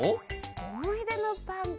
おもいでのパンか。